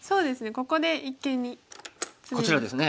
ここで一間にツメですか。